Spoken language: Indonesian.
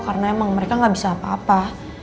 karena emang mereka gak bisa apa apa